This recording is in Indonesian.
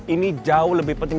ini jauh lebih penting